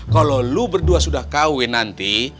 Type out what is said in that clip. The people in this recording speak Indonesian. kalau lo berdua sudah kawin nanti